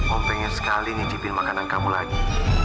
om pengen sekali nicipin makanan kamu lagi